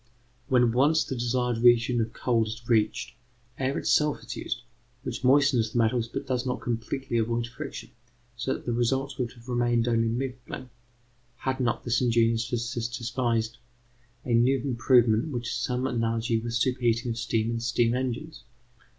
When once the desired region of cold is reached, air itself is used, which moistens the metals but does not completely avoid friction; so that the results would have remained only middling, had not this ingenious physicist devised a new improvement which has some analogy with superheating of steam in steam engines.